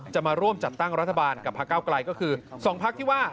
จะมาร่วมจัดตั้งรัฐบาลกับพักเก้าไกลก็คือ๒พักที่ว่า